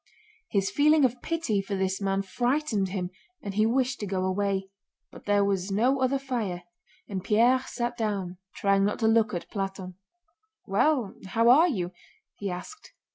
His feeling of pity for this man frightened him and he wished to go away, but there was no other fire, and Pierre sat down, trying not to look at Platón. "Well, how are you?" he asked.